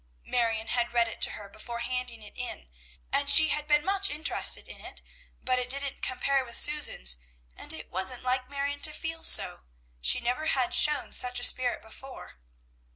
'" Marion had read it to her before handing it in, and she had been much interested in it, but it didn't compare with Susan's, and it wasn't like Marion to feel so. She never had shown such a spirit before.